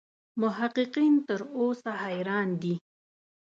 محققین تر اوسه حیران دي.